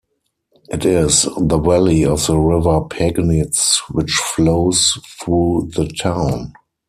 It is in the valley of the River Pegnitz, which flows through the town.